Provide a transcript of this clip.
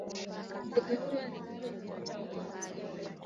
ndege huyo alipiga kichwa cha mtu masikini